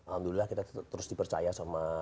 alhamdulillah kita terus dipercaya sama